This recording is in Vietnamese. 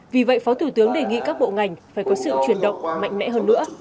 vì vậy phó thủ tướng đề nghị các bộ ngành phải có sự chuyển động mạnh mẽ hơn nữa